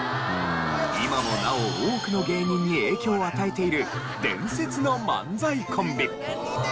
今もなお多くの芸人に影響を与えている伝説の漫才コンビ。